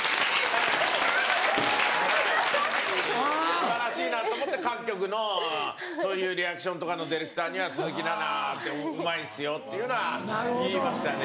素晴らしいなと思って各局のそういうリアクションとかのディレクターには鈴木奈々ってうまいんですよっていうのは言いましたね。